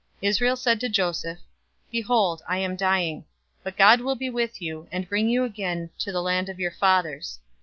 048:021 Israel said to Joseph, "Behold, I am dying, but God will be with you, and bring you again to the land of your fathers.